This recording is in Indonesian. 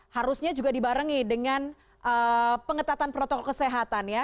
harusnya juga dibarengi dengan pengetatan protokol kesehatan ya